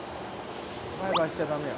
バイバイしちゃダメよ。